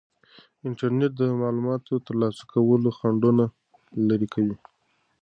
انټرنیټ د معلوماتو د ترلاسه کولو خنډونه لرې کوي.